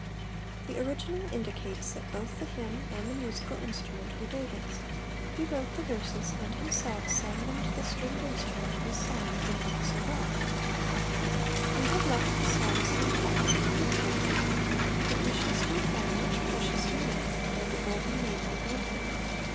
— 7%e originai indicates thai both the hymn and the musical instrument were Davids. He lorote the verses and himself sang them to the stringed instrument whose sound he loved so loeU, We have l^ the Psalms eniiiled Michtam, tut we shall stiUfind much precious meaning though the golden name be wanting.